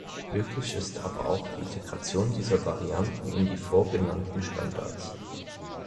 Möglich ist aber auch die Integration dieser Varianten in die vorgenannten Standards.